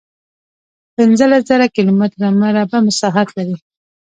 پنځلس زره کیلومتره مربع مساحت لري.